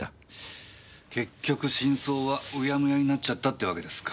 結局真相はうやむやになっちゃったってわけですか。